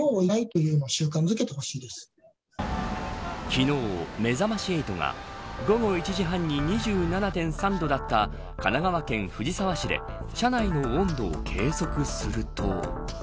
昨日、めざまし８が午後１時半に２７．３度だった神奈川県藤沢市で車内の温度を計測すると。